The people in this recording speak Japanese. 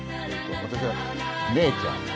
私は「姉ちゃん」。